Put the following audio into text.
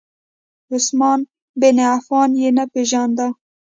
عثمان بن عفان یې نه پیژاند.